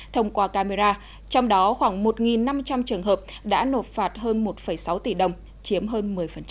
thông qua camera trong đó khoảng một năm trăm linh trường hợp đã nộp phạt hơn một sáu tỷ đồng chiếm hơn một mươi